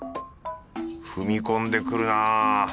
踏み込んでくるなぁ。